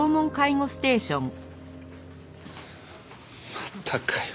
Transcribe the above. またかよ